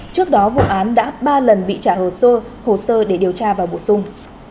trước đó vụ án đã ba lần bị trả hồ sơ để điều tra và bổ sung